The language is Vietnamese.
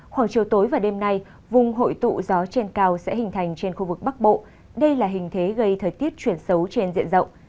khoảng chiều tối và đêm nay vùng hội tụ gió trên cao sẽ hình thành trên khu vực bắc bộ đây là hình thế gây thời tiết chuyển xấu trên diện rộng